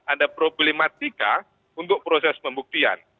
ada problematika untuk proses pembuktian